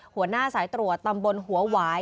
หัวหน้าสายตรวจตำบลหัวหวาย